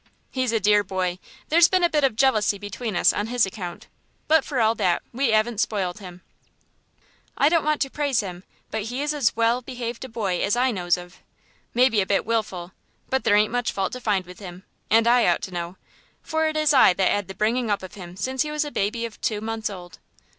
He's a dear boy. There's been a bit of jealousy between us on his account, but for all that we 'aven't spoilt him. I don't want to praise him, but he's as well behaved a boy as I knows of. Maybe a bit wilful, but there ain't much fault to find with him, and I ought to know, for it is I that 'ad the bringing up of him since he was a baby of two months old.